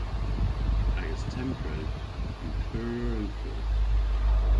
Agas tempredh yw pur ughel.